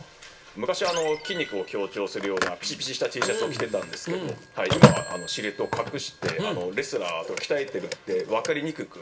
昔は筋肉を強調するようなぴちぴちしたＴシャツを着てたんですけど今はシルエットを隠してレスラーと鍛えてるって分かりにくくしてますね。